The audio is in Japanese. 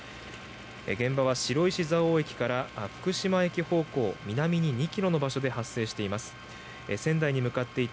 現場は白石蔵王駅から福島駅に南に２ｋｍの場所で発生しています。